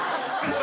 何？